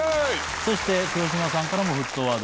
そして黒島さんからも沸騰ワード。